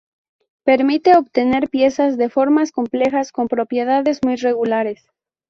Permite obtener piezas de formas complejas con propiedades muy regulares.